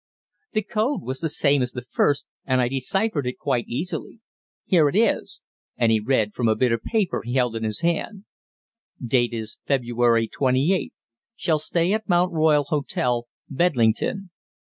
"The code was the same as the first, and I deciphered it quite easily. Here it is," and he read from a bit of paper he held in his hand: "_Date is February 28. Shall stay at Mount Royal Hotel, Bedlington.